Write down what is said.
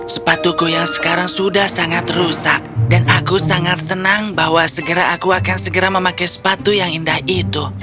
sepatuku yang sekarang sudah sangat rusak dan aku sangat senang bahwa segera aku akan segera memakai sepatu yang indah itu